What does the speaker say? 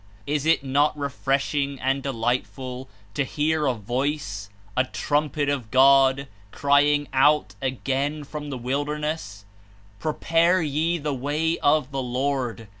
Is It not refresh ing and delightful to hear a Voice, a Trumpet of God, crying out again from the wilderness : ^'Prepare ye the way of the Lord.